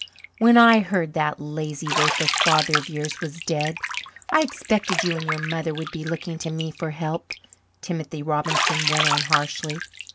"When I heard that lazy, worthless father of yours was dead, I expected you and your mother would be looking to me for help," Timothy Robinson went on harshly.